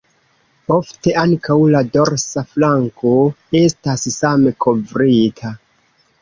Ofte ankaŭ la dorsa flanko estas same kovrita.